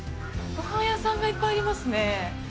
ごはん屋さんがいっぱいありますね。